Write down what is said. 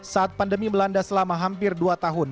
saat pandemi melanda selama hampir dua tahun